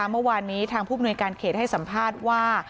เมื่อวานนี้ทางผู้มนุยการเขตให้สัมภาษณ์ว่า